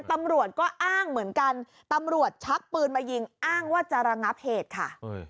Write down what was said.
ตำรวจก็อ้างเหมือนกันตำรวจชักปืนมายิงอ้างว่าจะระงับเหตุค่ะ